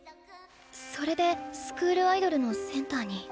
それでスクールアイドルのセンターに。